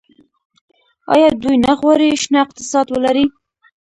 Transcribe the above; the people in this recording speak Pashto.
آیا دوی نه غواړي شنه اقتصاد ولري؟